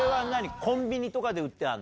コンビニとかで売ってんの？